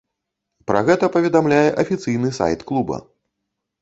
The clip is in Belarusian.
Пра гэта паведамляе афіцыйны сайт клуба.